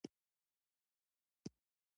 بدخشان د افغان کلتور سره تړاو لري.